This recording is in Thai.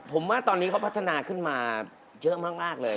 ผมว่าตอนนี้เขาพัฒนาขึ้นมาเยอะมากเลย